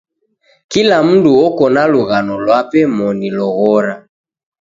Kila mndu oko na lughano lwape moni loghora.